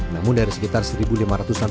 namun dari sekitar satu lima ratus an